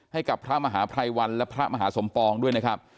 ให้กับพระมหาภัยวันและพระมหาสมปองด้วยนะครับ